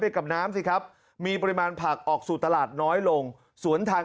กับน้ำสิครับมีปริมาณผักออกสู่ตลาดน้อยลงสวนทาง